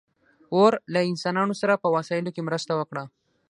اور له انسانانو سره په وسایلو کې مرسته وکړه.